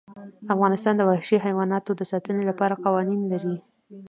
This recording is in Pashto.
افغانستان د وحشي حیواناتو د ساتنې لپاره قوانین لري.